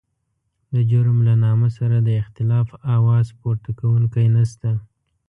د جرم له نامه سره د اختلاف اواز پورته کوونکی نشته.